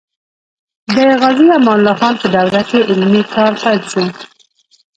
د غازي امان الله خان په دوره کې علمي کار پیل شو.